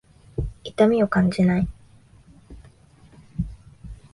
痛みを感じない。